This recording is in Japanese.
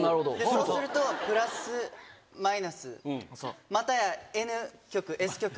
そうするとプラスマイナスまたやＮ極Ｓ